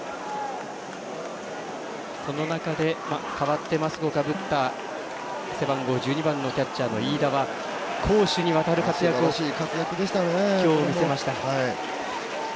その中で、代わってマスクをかぶった背番号１２番のキャッチャーの飯田が攻守にわたる活躍を今日見せました。